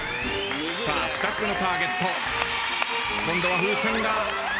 ２つ目のターゲット今度は風船が２列。